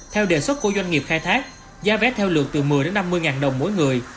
theo đề xuất của doanh nghiệp khai thác giá vé theo lượt từ một mươi năm mươi ngàn đồng mỗi người